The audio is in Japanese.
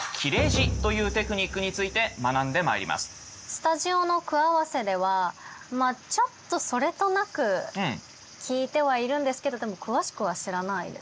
スタジオの句合わせではちょっとそれとなく聞いてはいるんですけどでも詳しくは知らないです。